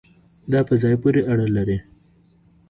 دا په ځای پورې اړه لري